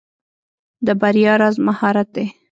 د بریا راز مهارت دی.